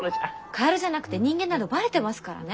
カエルじゃなくて人間なのバレてますからね。